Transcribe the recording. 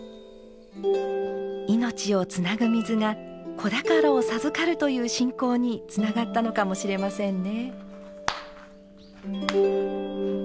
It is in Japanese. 命をつなぐ水が子宝を授かるという信仰につながったのかもしれませんね。